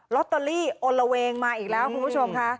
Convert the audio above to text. ลอตเตอรี่อนระเวงมาอีกแล้วคุณผู้ชมค่ะ